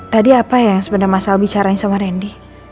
tadi apa yang sebenernya mas al bicarain sama randy